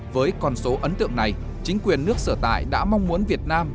với con số ấn tượng này chính quyền nước sở tại đã mong muốn việt nam